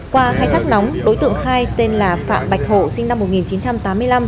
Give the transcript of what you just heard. qua khai thác nóng đối tượng khai tên là phạm bạch hộ sinh năm một nghìn chín trăm tám mươi năm